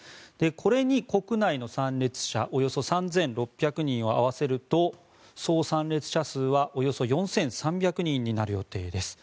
これに国内の参列者およそ３６００人を合わせるとそう参列者数はおよそ４３００人になる予定です。